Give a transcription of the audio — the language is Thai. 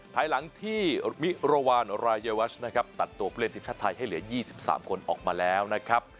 ภายหลังที่มิรวาลรายวัชนะครับตัดตัวผู้เล่นทีมชาติไทยให้เหลือ๒๓คนออกมาแล้วนะครับ